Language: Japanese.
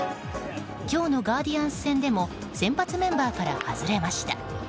今日のガーディアンズ戦でも先発メンバーから外れました。